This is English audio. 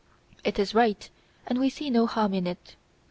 It is your right, and we see no harm in it.